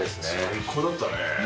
最高だったね。